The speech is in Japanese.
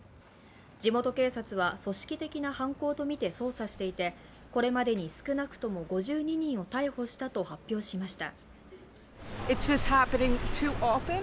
地元警察は組織的な犯行とみて捜査していてこれまでに少なくとも５２人を逮捕したと発表しました。